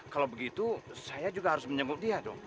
kalau begitu saya juga harus menyebut dia dong